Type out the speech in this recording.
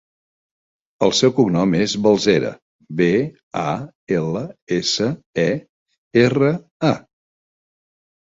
El seu cognom és Balsera: be, a, ela, essa, e, erra, a.